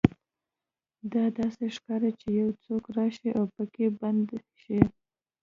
دا داسې ښکاري چې یو څوک راشي او پکې بند شي